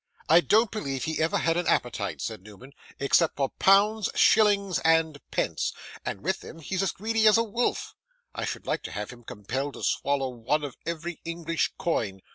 'I don't believe he ever had an appetite,' said Newman, 'except for pounds, shillings, and pence, and with them he's as greedy as a wolf. I should like to have him compelled to swallow one of every English coin.